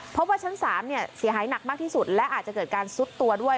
เพราะว่าชั้น๓เสียหายหนักมากที่สุดและอาจจะเกิดการซุดตัวด้วย